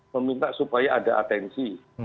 meminta supaya ada atensi